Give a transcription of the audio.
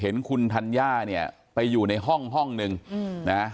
เห็นคุณธัญญาเนี่ยไปอยู่ในห้องห้องนึงนะ